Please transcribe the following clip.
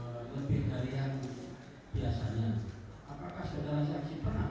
kemudian tadi saudara diberikan wajiban